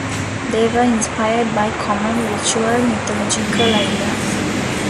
They were inspired by common ritual-mythological ideas.